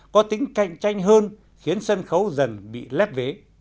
có tính cạnh tranh hơn khiến sân khấu dần bị lét vế